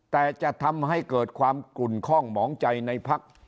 แต่จะทำให้เกิดความกลุ่นคล่องหมองใจในพัก